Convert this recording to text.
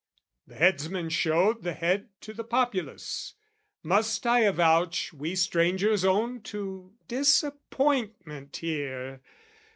"The headsman showed "The head to the populace. Must I avouch "We strangers own to disappointment here?